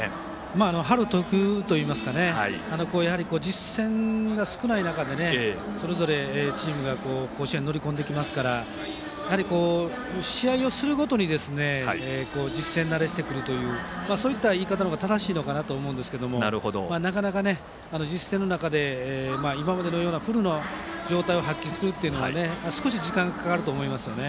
春特有というか実戦が少ない中でそれぞれチームが甲子園に乗り込んできますからやはり試合をするごとに実戦慣れしていくというそういった言い方も正しいのかなと思いますがなかなか実戦の中で今までのようなフルの状態を発揮するのは少し時間がかかると思います。